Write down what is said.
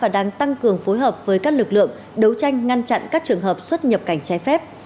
đang tăng cường phối hợp với các lực lượng đấu tranh ngăn chặn các trường hợp xuất nhập cảnh trái phép